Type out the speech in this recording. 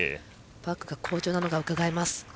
バックが好調なのがうかがえます。